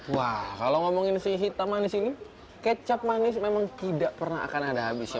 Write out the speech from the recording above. wah kalau ngomongin si hitam manis ini kecap manis memang tidak pernah akan ada habisnya